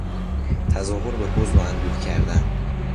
تظاهر به حزن و اندوه کردن